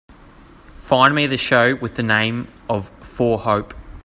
Find me the show with the name of For Hope